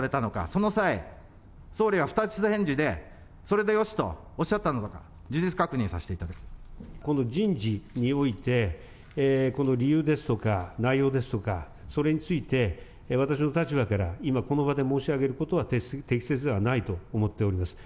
その際、総理は二つ返事で、それでよしとおっしゃったのか、この人事において、理由ですとか、内容ですとか、それについて、私の立場から今、この場で申し上げることは適切ではないと思っております。